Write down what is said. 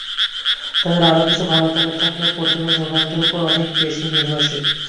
তাদের আরও কিছু ভালো খেলোয়াড় থাকলেও, পর্তুগাল রোনালদোর ওপরই অনেক বেশি নির্ভরশীল।